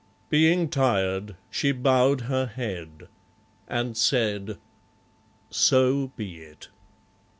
Being tired, she bowed her head; And said, "So be it!"